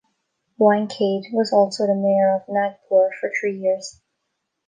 Wankhade was also the mayor of Nagpur for three years.